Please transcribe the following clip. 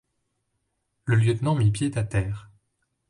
Le lieutenant mit pied à terre.